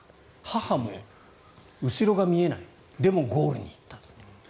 母も後ろが見えないでもゴールに行ったっていう。